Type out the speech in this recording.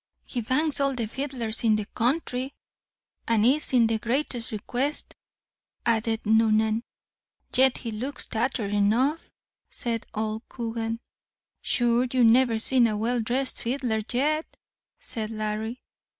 "He bangs all the fiddlers in the counthry." "And is in the greatest request," added Noonan. "Yet he looks tatthered enough," said old Coogan. "Sure you never seen a well dhrest fiddler yet," said Larry.